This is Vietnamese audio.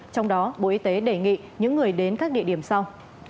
trong đó bộ y tế đề nghị những người đến các địa điểm sau